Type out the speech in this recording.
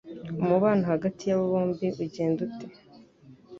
Umubano hagati yabo bombi ugenda ute?